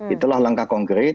itulah langkah konkret